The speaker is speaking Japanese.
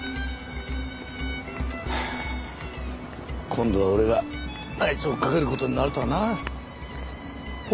今度は俺があいつを追っかける事になるとはな。